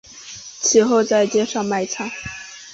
其后在街上卖唱。